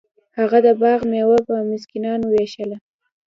هغه د باغ میوه په مسکینانو ویشله.